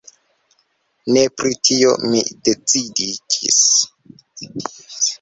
Ne! Pri tio mi decidiĝis.